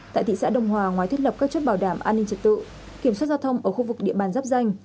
tại thị xã đông hòa ngoài thiết lập các chốt bảo đảm an ninh trật tự kiểm soát giao thông ở khu vực địa bàn dắp danh